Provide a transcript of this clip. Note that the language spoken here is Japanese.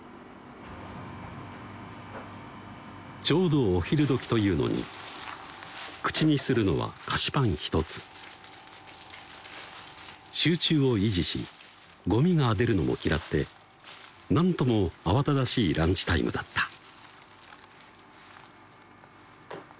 ちょうどお昼どきというのに口にするのは菓子パン一つ集中を維持しゴミが出るのも嫌ってなんとも慌ただしいランチタイムだった